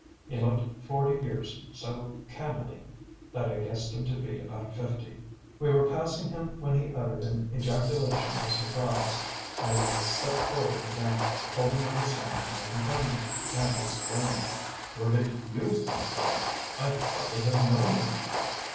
He looked forty years so cannily that I guessed him to be about fifty. We were passing him when he uttered an ejaculation of surprise and stepped forward again, holding out his hand to my companion, and exclaiming: "Where did YOU come from? I'd hardly have known you."